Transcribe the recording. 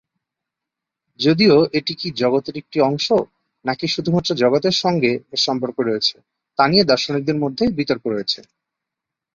যদিও এটি কি জগতের একটি অংশ নাকি শুধুমাত্র জগতের সঙ্গে এর সম্পর্ক রয়েছে তা নিয়ে দার্শনিকদের মধ্যে বিতর্ক রয়েছে।